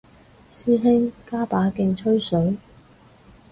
師兄加把勁吹水